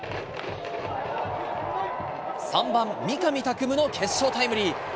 ３番三上拓夢の決勝タイムリー。